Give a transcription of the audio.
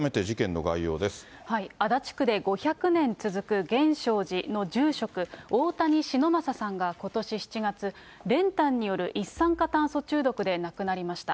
足立区で５００年続く源証寺の住職、大谷忍昌さんがことし７月、練炭による一酸化炭素中毒で亡くなりました。